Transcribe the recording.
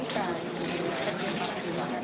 yang terkenal dari luar negeri